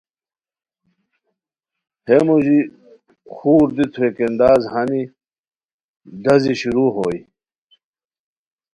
ہے موژی خور دی تھوویکین داز ہانی ڈازی شروع ہوئے